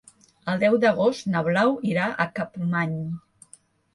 El deu d'agost na Blau irà a Capmany.